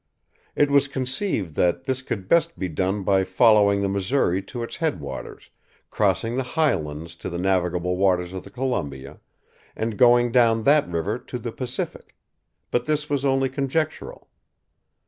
It was conceived that this could best be done by following the Missouri to its head waters, crossing "the Highlands" to the navigable waters of the Columbia, and going down that river to the Pacific; but this was only conjectural.